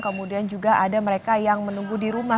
kemudian juga ada mereka yang menunggu di rumah